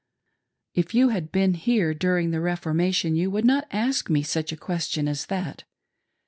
" If you had been here during the Reformation you would not ask me such a question as that.